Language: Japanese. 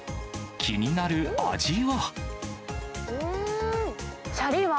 気になる味は。